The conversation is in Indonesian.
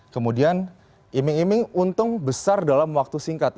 kemudian iming iming untung besar dalam waktu singkat